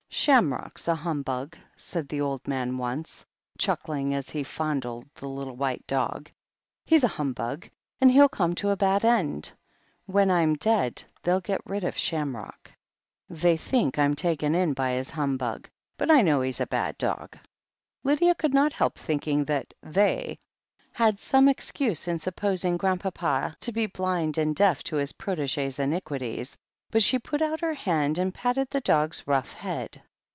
' "Shamrock's a humbug," said the old man once, • «1 20 THE HEEL OF ACHILLES chuckling as he fondled the little white dog. "He's a humbug and he'll come to a bad end. When I'm dead, they'll get rid of Shamrock. They think I'm taken in by his humbug, but I know he's a bad dog." Lydia could not help thinking that "they" had some excuse in supposing Grandpapa to be blind and deaf to his protege's iniquities, but she put out her hand and patted the dog's rough head.